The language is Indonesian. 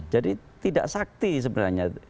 jadi tidak sakti sebenarnya